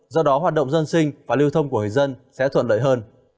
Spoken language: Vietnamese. do đó hoạt động dân sinh và lưu thông của người dân sẽ thuận lợi hơn